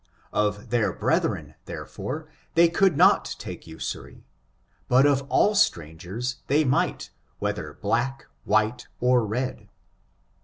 Of their brethren, therefore, they could not take usury, but of all strangers they might, wheth er black, white or red.